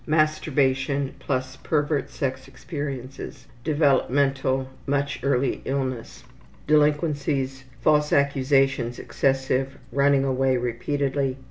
Masturbation plus. Pervert sex experiences. Developmental: Much early illness. Delinquencies: Mentality: False accusations excessive. Dull from physical Running away repeatedly.